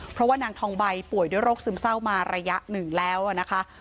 เพราะว่านางทองใบป่วยด้วยโรคซึมเศร้ามาระยะหนึ่งแล้วนะคะ